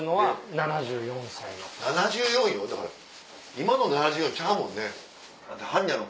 ７４よだから今の７４ちゃうもんね。